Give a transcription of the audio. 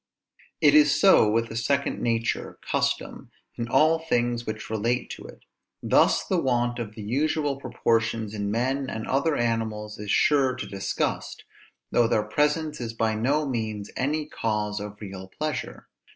It is so with the second nature, custom, in all things which relate to it. Thus the want of the usual proportions in men and other animals is sure to disgust, though their presence is by no means any cause of real pleasure.